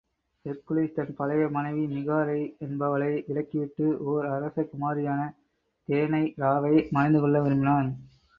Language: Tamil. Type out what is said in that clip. ஹெர்க்குலிஸ் தன் பழைய மனைவி மிகாரை என்பவளை விலக்கிவிட்டு, ஓர் அரச குமாரியான தியனைராவை மணந்துகொள்ள விரும்பினான்.